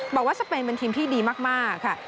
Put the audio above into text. บอกว่าสเปนเป็นทีมที่ดีมากค่ะ